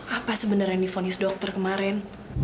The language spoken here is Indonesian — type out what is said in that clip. apa sebenarnya yang di phone his doctor kemarin